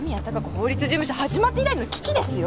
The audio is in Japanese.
法律事務所始まって以来の危機ですよ。